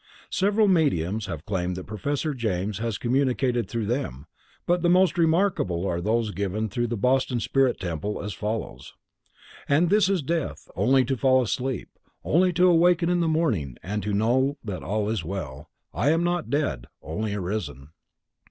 Several mediums have claimed that Professor James has communicated through them, but the most remarkable are those given through the Boston spirit temple as follows: "And this is death, only to fall asleep, only to awaken in the morning and to know that all is well. I am not dead, only arisen.